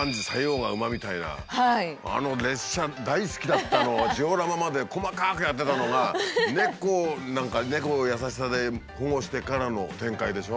あの列車大好きだったのをジオラマまで細かくやってたのが猫を何か猫を優しさで保護してからの展開でしょ。